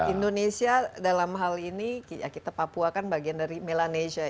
indonesia dalam hal ini kita papua kan bagian dari melanesia ya